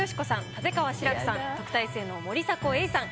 立川志らくさん特待生の森迫永依さん